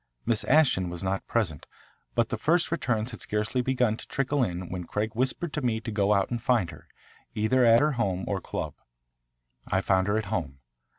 Miss Ashton was not present, but the first returns had scarcely begun to trickle in when Craig whispered to me to go out and find her, either at her home or club. I found her at home.